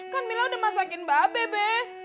kan mila udah masakin babe be